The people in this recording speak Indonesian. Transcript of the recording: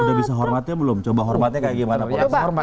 udah bisa hormatnya belum coba hormatnya kayak gimana